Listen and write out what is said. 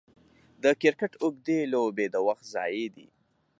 د کرکټ اوږدې لوبې د وخت ضايع دي.